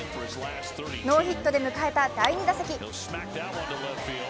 ノーヒットで迎えた第２打席。